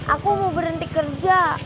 aku mau berhenti kerja